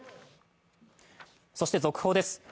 そして続報です。